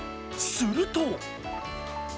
すると。